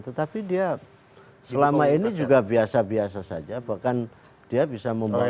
tetapi dia selama ini juga biasa biasa saja bahkan dia bisa membaca